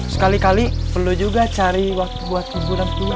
sekali kali perlu juga cari waktu buat hiburan pun